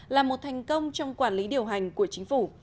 là một thành công trong quản lý điều hành của chính phủ